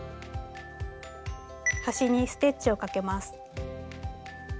端にステッチをかけます。